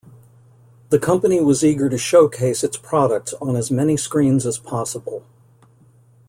The company was eager to showcase its products on as many screens as possible.